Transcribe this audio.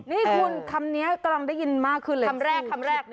นี่คุณคำนี้แรงระดับได้มากคำแรกครับ